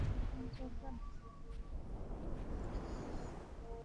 রিচা তার জন্মদিনে হায়দ্রাবাদ যান এবং সিনেমার অডিশনে যোগ দেন।